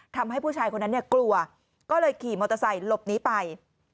ทำให้ผู้ชายคนนั้นเนี่ยกลัวก็เลยขี่มอเตอร์ไซค์หลบหนีไป